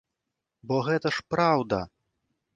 Бо гэта ж праўда!